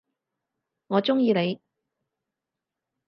我中意你！